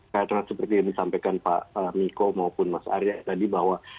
karena seperti yang disampaikan pak miko maupun mas arya tadi bahwa